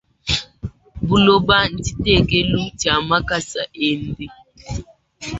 Buloba ntshitekelu tshia makasa ende.